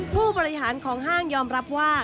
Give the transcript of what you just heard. ผู้บริหารของห้างยอมรับว่า